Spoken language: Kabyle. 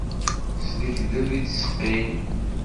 S lekdeb i ttseqqin.